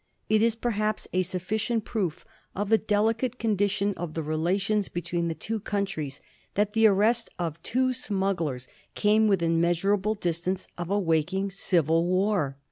It is, perhaps, a sufficient proof of the delicate condition of the relations between the two countries that the arrest of two smug glers came within measurable distance of awaking civil war.